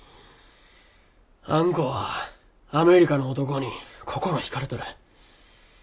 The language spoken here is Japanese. あんこはアメリカの男に心引かれとる。